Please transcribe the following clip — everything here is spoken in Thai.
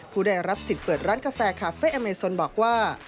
ผู้ได้รับสิทธิ์เปิดร้านกาแฟคาเฟ่อเมซนบอกว่า